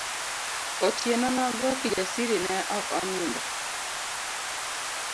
Otieno nogo Kijasiri ne oko nindo.